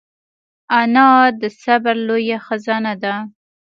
انا د صبر لویه خزانه ده